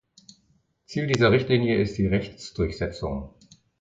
Ziel dieser Richtlinie ist die Rechtsdurchsetzung.